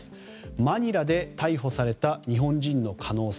マニラで逮捕された日本人の可能性。